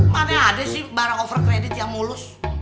mana ada sih barang over credit yang mulus